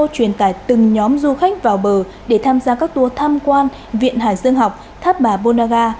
truyền tải từng nhóm du khách vào bờ để tham gia các tour tham quan viện hải dương học tháp bà bôn đà ga